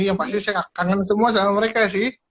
yang pasti saya kangen semua sama mereka sih